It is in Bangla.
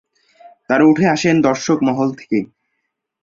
তাঁরা উঠে আসেন দর্শক মহল থেকেই।